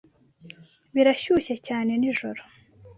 Birashyushye cyane nijoro.